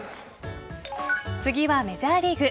次はメジャーリーグ。